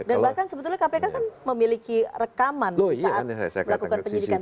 dan bahkan sebetulnya kpk kan memiliki rekaman saat melakukan penyidikan